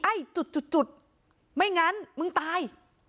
ไอ้จุดจุดไม่งั้นมึงตาย